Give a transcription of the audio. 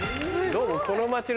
どうも。